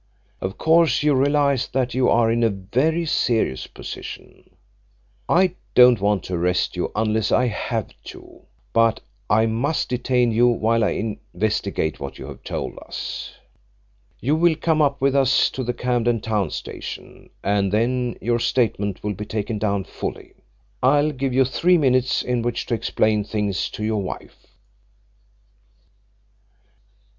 Of course you realise that you are in a very serious position. I don't want to arrest you unless I have to, but I must detain you while I investigate what you have told us. You will come up with us to the Camden Town Station and then your statement will be taken down fully. I'll give you three minutes in which to explain things to your wife."